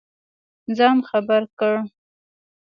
ځان خبر کړ.